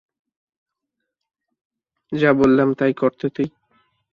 যা বললাম তাই কর তো তুই।